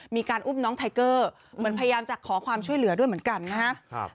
มีการอุ้มน้องไทเกอร์เหมือนพยายามจะขอความช่วยเหลือด้วยเหมือนกันนะครับ